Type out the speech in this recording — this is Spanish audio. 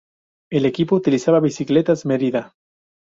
El equipo utiliza bicicletas Merida.